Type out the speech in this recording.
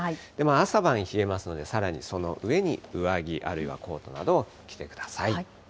朝晩冷えますので、さらにその上に上着、あるいはコートなどを着てください。